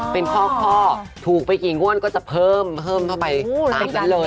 เป็นข้อถูกไปกี่งวดก็จะเพิ่มเข้าไปตามนั้นเลย